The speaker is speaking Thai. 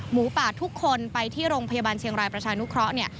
หมูป่าทุกคนไปที่โรงพยาบาลเชียงรายประชานุเคราะห์เนี่ย